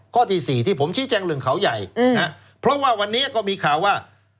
ข้อที่สี่ที่ผมชี้แจงเรื่องเขาใหญ่เพราะว่าวันนี้ก็มีข่าวว่า